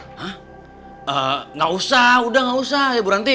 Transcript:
eeeh gak usah udah gak usah ya bu ranti